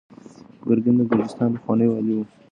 ګورګین د ګرجستان پخوانی والي و.